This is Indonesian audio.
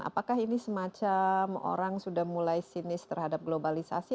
apakah ini semacam orang sudah mulai sinis terhadap globalisasi